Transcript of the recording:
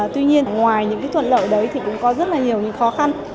tuy nhiên ngoài những cái thuận lợi đấy thì cũng có rất là nhiều những khó khăn